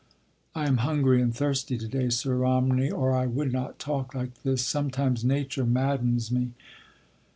I am hungry and thirsty to day, Sir Romney, or I would not talk like this. Sometimes Nature maddens me....